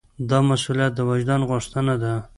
دا مسوولیت د وجدان غوښتنه ده.